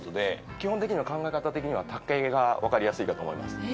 基本的には、考え方的には竹が分かりやすいかと思います。